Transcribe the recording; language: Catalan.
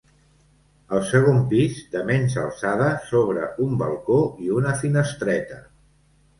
Al segon pis, de menys alçada, s'obre un balcó i una finestreta.